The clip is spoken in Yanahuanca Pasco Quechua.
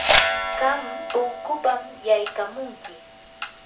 qam punkupam yaykamunki.